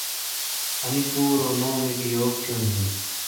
انی پورو نومی گی یوک تھیونی ہیں؟